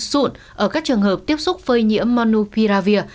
xụn ở các trường hợp tiếp xúc phơi nhiễm monopiravir